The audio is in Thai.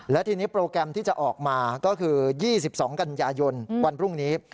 และทีนี้โปรแกรมที่จะออกมาก็คือ๒๒กันยายนวันพรุ่งนี้